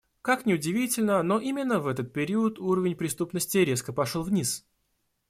Как ни удивительно, но именно в этот период уровень преступности резко пошел вниз.